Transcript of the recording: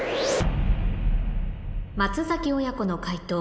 松崎親子の解答